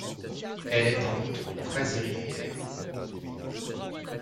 Elle est en outre très irrégulière.